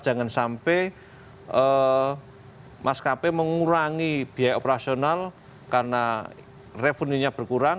jangan sampai maskapai mengurangi biaya operasional karena revenue nya berkurang